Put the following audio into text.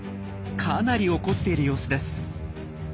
かなり怒っている様子です。